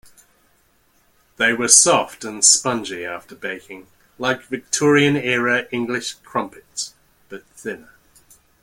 They were soft and spongy after baking like Victorian-era English crumpets, but thinner.